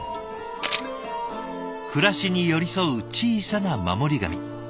暮らしに寄り添う小さな守り神。